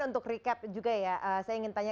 untuk recap juga ya saya ingin tanya